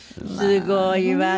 すごいわね。